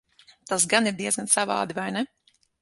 Tas gan ir diezgan savādi, vai ne?